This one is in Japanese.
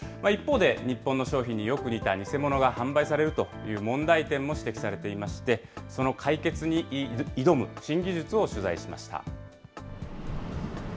一方で日本の商品によく似た偽物が販売されるという問題点も指摘されていまして、その解決に挑む新技術を取材しました。